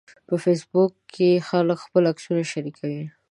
په فېسبوک کې خلک خپل عکسونه شریکوي